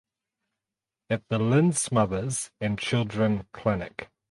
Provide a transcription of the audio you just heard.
At the Linz Mothers and Children Clinic.